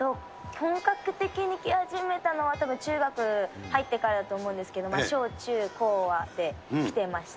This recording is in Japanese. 本格的に来始めたのは、たぶん中学入ってからだと思うんですけれども、小中高は来てました。